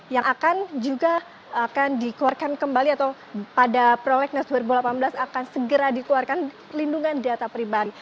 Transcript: yang akan juga akan dikeluarkan kembali atau pada prolegnas dua ribu delapan belas akan segera dikeluarkan perlindungan data pribadi